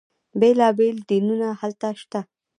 بیلا بیل دینونه هلته شته.